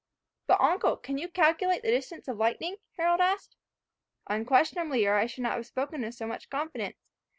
"But, uncle, can you calculate the distance of the lightning?" Harold asked. "Unquestionably, or I should not have spoken with so much confidence.